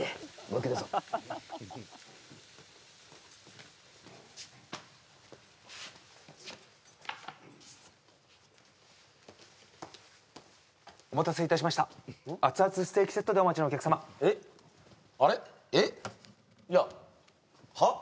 ゆっくりどうぞお待たせいたしました熱々ステーキセットでお待ちのお客様えっあれっえっいやはっ？